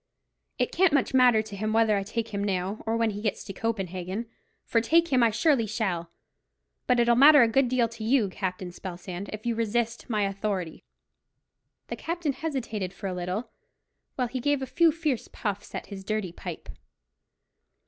It can't much matter to him whether I take him now, or when he gets to Copenhagen; for take him I surely shall; but it'll matter a good deal to you, Captain Spelsand, if you resist my authority." The captain hesitated for a little, while he gave a few fierce puffs at his dirty pipe.